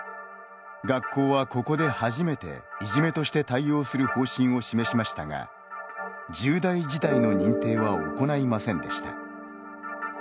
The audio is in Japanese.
学校はここで初めていじめとして対応する方針を示しましたが重大事態の認定は行いませんでした。